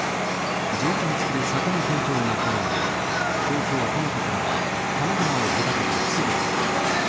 条件付きで酒の提供が可能で、東京・蒲田からは多摩川を隔ててすぐだ。